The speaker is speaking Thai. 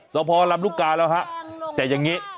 สพลำลูกกาแล้วฮะแต่อย่างนี้